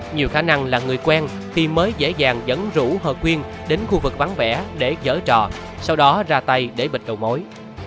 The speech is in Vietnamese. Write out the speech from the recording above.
nhiều khả năng là người quen thì mới dễ dàng dẫn rũ hợp quyền đến khu vực vắng vẻ để giỡn trò sau đó ra tay để bịt đầu mối